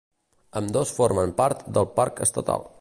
Ambdós formen part del parc estatal.